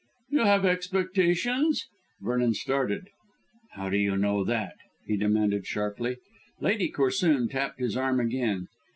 "You have expectations?" Vernon started. "How do you know that?" he demanded sharply. Lady Corsoon tapped his arm again.